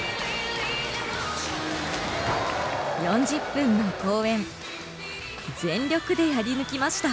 ４０分の公演全力でやり抜きました。